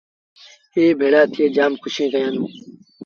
ائيٚݩ ڀيڙآ ٿئي جآم کُوشين ڪيآݩدوݩ